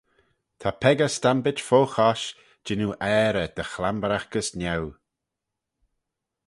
Ta peccah stampit fo chosh jannoo aarey dy chlamberagh gys niau.